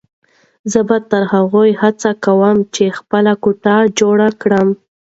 زه به تر هغو هڅه کوم چې خپله کوټه جوړه کړم.